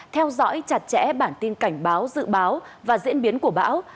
theo dõi chặt chẽ bản tin cảnh báo dự báo và diễn biến của bão